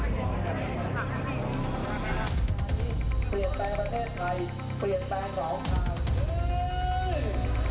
ไทยประเทศไทยเปลี่ยนแปลงของทหาร